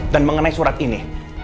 dan mengenai surat ini